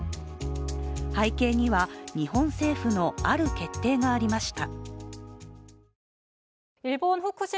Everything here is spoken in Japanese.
背景には、日本政府のある決定がありました。